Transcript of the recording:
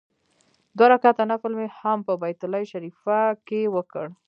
دوه رکعته نفل مې هم په بیت الله شریفه کې وکړ.